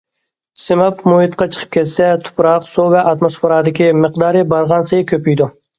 سىماب مۇھىتقا چىقىپ كەتسە، تۇپراق، سۇ ۋە ئاتموسفېرادىكى مىقدارى بارغانسېرى كۆپىيىدۇ.